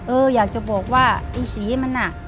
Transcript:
เอออยากจะบอกว่าไอ้สีมันน่ะ